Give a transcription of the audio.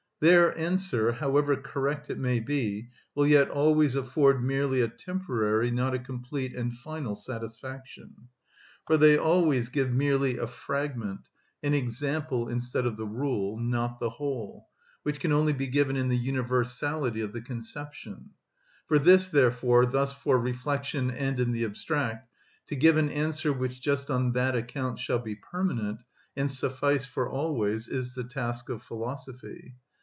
Their answer, however correct it may be, will yet always afford merely a temporary, not a complete and final, satisfaction. For they always give merely a fragment, an example instead of the rule, not the whole, which can only be given in the universality of the conception. For this, therefore, thus for reflection and in the abstract, to give an answer which just on that account shall be permanent and suffice for always, is the task of philosophy.